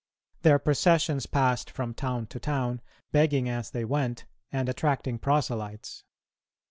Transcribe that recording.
Their processions passed from town to town, begging as they went and attracting proselytes.